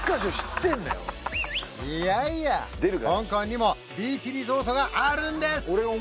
いやいや香港にもビーチリゾートがあるんです